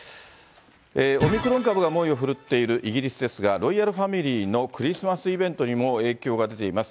オミクロン株が猛威を振るっているイギリスですが、ロイヤルファミリーのクリスマスイベントにも影響が出ています。